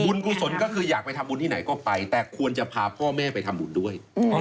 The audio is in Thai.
กุศลก็คืออยากไปทำบุญที่ไหนก็ไปแต่ควรจะพาพ่อแม่ไปทำบุญด้วย